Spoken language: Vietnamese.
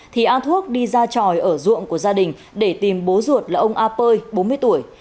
thì an thuốc đi ra tròi ở ruộng của gia đình để tìm bố ruột là ông a pơi bốn mươi tuổi